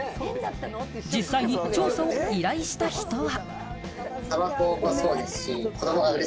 実際に調査を依頼した人は。